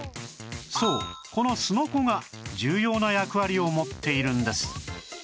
そうこのすのこが重要な役割を持っているんです